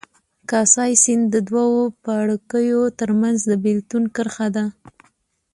کاسای سیند د دوو پاړکیو ترمنځ د بېلتون کرښه ده.